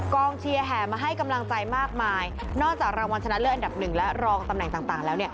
เชียร์แห่มาให้กำลังใจมากมายนอกจากรางวัลชนะเลิศอันดับหนึ่งและรองตำแหน่งต่างแล้ว